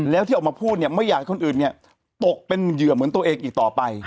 แล้วที่ออกมาพูดเนี่ยไม่อยากให้คนอื่นเนี่ยตกเป็นเหยื่อเหมือนตัวเองอีกต่อไป